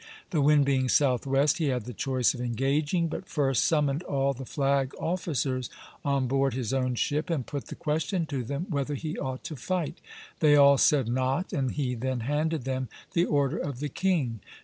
The wind being southwest, he had the choice of engaging, but first summoned all the flag officers on board his own ship, and put the question to them whether he ought to fight. They all said not, and he then handed them the order of the king.